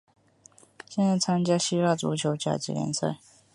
现在参加希腊足球甲级联赛。